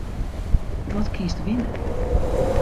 Wat kinst winne?